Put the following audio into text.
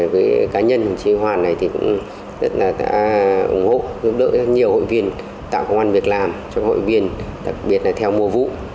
với cá nhân chị hoàn này cũng rất là ủng hộ giúp đỡ rất nhiều hội viên tạo công an việc làm cho hội viên đặc biệt là theo mùa vũ